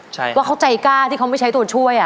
ใช่ว่าเขาใจกล้าที่เขาไม่ใช้ตัวช่วย